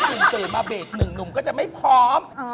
หนุ่มสื่อมาเบรกหนึ่งหนุ่มก็จะไม่พร้อม